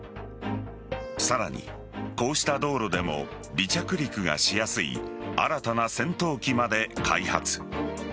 さらに、こうした道路でも離着陸がしやすい新たな戦闘機まで開発。